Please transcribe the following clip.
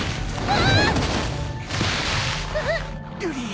ああ。